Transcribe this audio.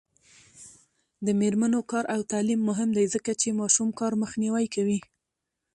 د میرمنو کار او تعلیم مهم دی ځکه چې ماشوم کار مخنیوی کوي.